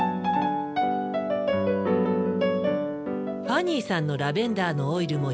ファニーさんのラベンダーのオイルも１滴。